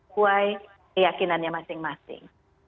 kuai keyakinannya masing masing